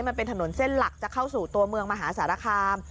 มันเป็นถนนเส้นหลักจะเข้าสู่ตัวเมืองมหาสารคาม